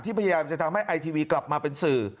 พยายามจะทำให้ไอทีวีกลับมาเป็นสื่อ